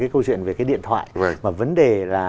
câu chuyện về cái điện thoại mà vấn đề là